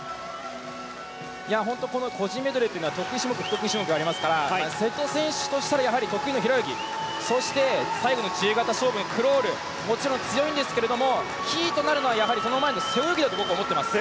本当にこの個人メドレーというは得意種目、不得意種目がありますから瀬戸選手としたら得意の平泳ぎそして、最後の自由形勝負のクロールもちろん強いんですがキーとなるのはその前の背泳ぎだと思っています。